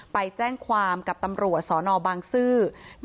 ไปแจ้งความกับตำรวจสนบางซื่อ